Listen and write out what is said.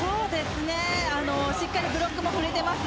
しっかりブロックも触れてます